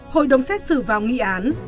hội đồng xét xử vào nghị án